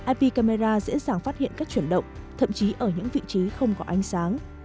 ip camera dễ dàng phát hiện các chuyển động thậm chí ở những vị trí không có ánh sáng